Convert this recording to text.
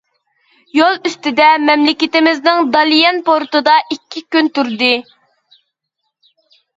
يول ئۈستىدە مەملىكىتىمىزنىڭ داليەن پورتىدا ئىككى كۈن تۇردى.